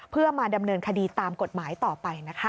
เพื่อมาดำเนินคดีตามกฎหมายต่อไปนะคะ